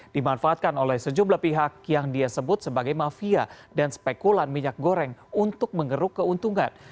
dimanfaatkan oleh sejumlah pihak yang dia sebut sebagai mafia dan spekulan minyak goreng untuk mengeruk keuntungan